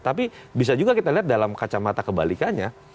tapi bisa juga kita lihat dalam kacamata kebalikannya